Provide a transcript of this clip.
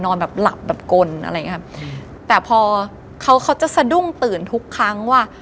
แบบหลับแบบกลอะไรอย่างเงี้ยแต่พอเขาเขาจะสะดุ้งตื่นทุกครั้งว่า